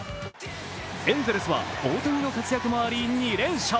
エンゼルスは大谷の活躍もあり２連勝。